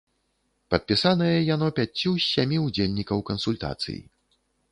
Падпісанае яно пяццю з сямі ўдзельнікаў кансультацый.